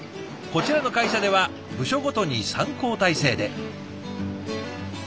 こちらの会社では部署ごとに３交代制で。